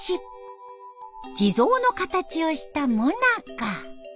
地蔵の形をしたもなか。